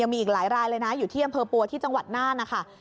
มีอีกหลายรายเลยนะอยู่ที่อำเภอปัวที่จังหวัดน่านนะคะ